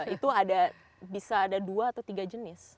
itu bisa ada dua atau tiga jenis